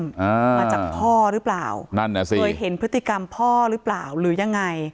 อ่ามาจากพ่อหรือเปล่านั่นน่ะสิเคยเห็นพฤติกรรมพ่อหรือเปล่าหรือยังไง